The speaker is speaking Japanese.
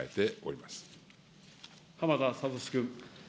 浜田聡君。